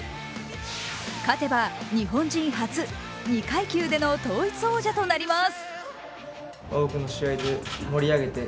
勝てば日本人初、２階級での統一王者となります。